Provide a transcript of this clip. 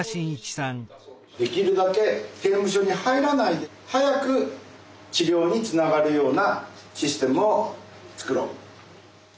できるだけ刑務所に入らないで早く治療につながるようなシステムを作ろう。